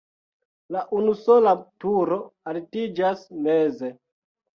La unusola turo altiĝas meze.